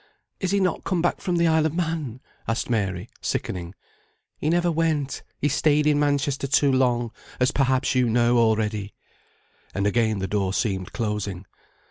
"Is he not come back from the Isle of Man?" asked Mary, sickening. "He never went; he stayed in Manchester too long; as perhaps you know, already." And again the door seemed closing.